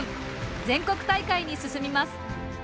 全国大会に進みます。